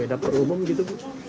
dapur umum gitu bu